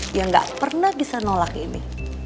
dia nggak pernah bisa nolak ini